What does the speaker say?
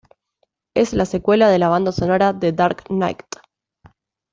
Es la secuela de la banda sonora de The Dark Knight.